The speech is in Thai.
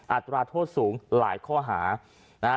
อัตราโทษสูงหลายข้อหานะฮะ